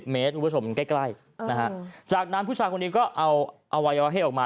๓๐เมตรอุปชมใกล้จากนั้นผู้ชายคนนี้ก็เอาวัยวะให้ออกมา